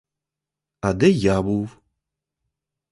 А де я був!